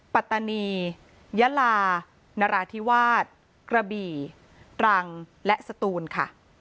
ปัตตานียะลานราธิวาสกระบี่ตรังและสตูนค่ะ